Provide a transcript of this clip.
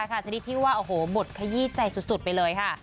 ซึ่งที่ว่าโอ้โหบทขยี้ใจสุดไปเลยค่ะ